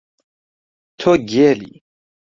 تۆ گێلی!